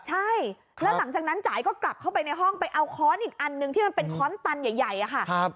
ใช่แล้วหลังจากนั้นจ่ายก็กลับเข้าไปในห้องไปเอาค้อนอีกอันนึงที่มันเป็นค้อนตันใหญ่อะค่ะ